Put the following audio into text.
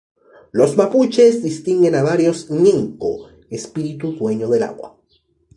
Los Mapuches distinguen a varios Ngen-ko, espíritu dueño del agua.